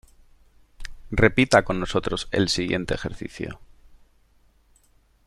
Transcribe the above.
Repita con nosotros el siguiente ejercicio